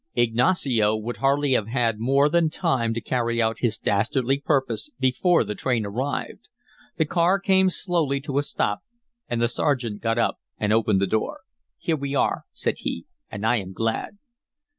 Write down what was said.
Ignacio would hardly have had more than time to carry out his dastardly purpose before the train arrived. The car came slowly to a stop and the sergeant got up and opened the door. "Here we are," said he. "And I am glad."